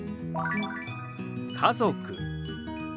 「家族」。